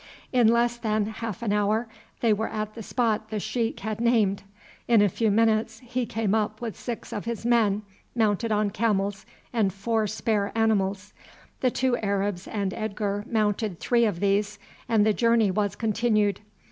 In less than half an hour they were at the spot the sheik had named; in a few minutes he came up with six of his men mounted on camels and four spare animals. The two Arabs and Edgar mounted three of these, and the journey was continued.